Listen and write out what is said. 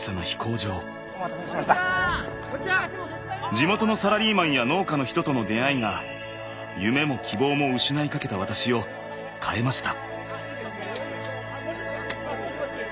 地元のサラリーマンや農家の人との出会いが夢も希望も失いかけた私を変えました。